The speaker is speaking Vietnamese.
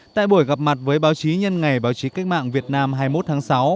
tại buổi gặp mặt với báo chí nhân ngày báo chí cách mạng việt nam hai mươi một tháng sáu